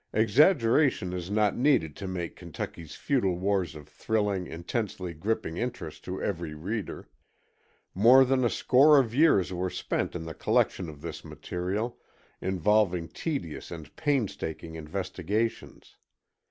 Exaggeration is not needed to make Kentucky's feudal wars of thrilling, intensely gripping interest to every reader. More than a score of years were spent in the collection of this material, involving tedious and painstaking investigations.